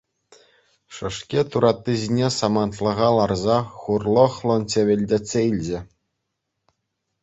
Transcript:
Шӗшкӗ туратти ҫине самантлӑха ларса хурлӑхлӑн чӗвӗлтетсе илчӗ.